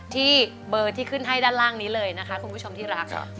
ที่เบอร์ที่ขึ้นให้ด้านล่างนี้เลยนะคะคุณผู้ชมที่รัก